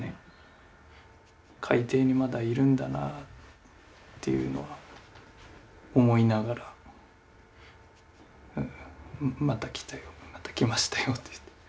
海底にまだいるんだなっていうのは思いながらまた来たよまた来ましたよって。